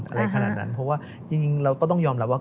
อะไรขนาดนั้นเพราะว่าจริงเราก็ต้องยอมรับว่า